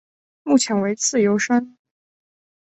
目前为自由身。